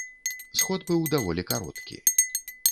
Сход быў даволі кароткі.